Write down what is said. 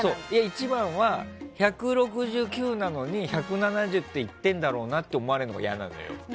一番は１６９なのに１７０って言ってるんだろうなって思われるのが嫌なのよ。